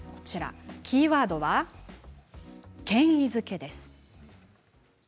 キーワードは権威づけです。